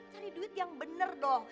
cari duit yang bener dong